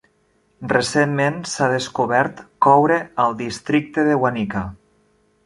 Recentment, s"ha descobert coure al districte de Wanica.